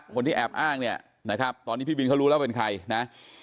คนที่แอบอ้างเนี่ยนะครับตอนนี้พี่บินเขารู้แล้วเป็นใครนะ